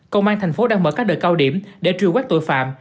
công an tp hcm đang mở các đợt cao điểm để triều quét tội phạm